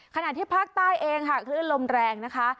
ขณะที่ภาคใต้เองค่ะคลื่นลมแรงนะคะ